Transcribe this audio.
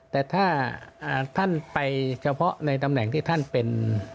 แต่ถ้าท่านไปเฉพาะในตำแหน่งที่ท่านเป็น